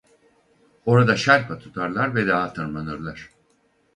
Orada şerpa tutarlar ve dağa tırmanırlar.